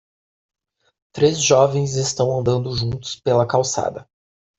Três jovens estão andando juntos pela calçada.